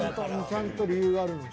ちゃんと理由があるのに。